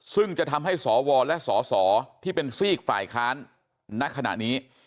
ซึ่งจะทำให้สวและสสที่เป็นซีกฝ่ายค้านณขณะนี้